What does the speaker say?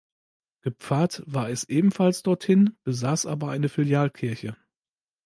Gepfarrt war es ebenfalls dorthin, besaß aber eine Filialkirche.